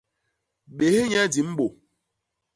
Bés nye di mbô.